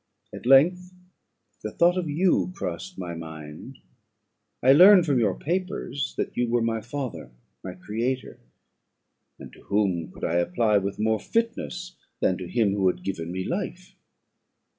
At length the thought of you crossed my mind. I learned from your papers that you were my father, my creator; and to whom could I apply with more fitness than to him who had given me life?